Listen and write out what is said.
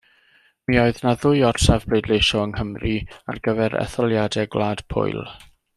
Mi oedd na ddwy orsaf bleidleisio yng Nghymru ar gyfer etholiadau Gwlad Pwyl.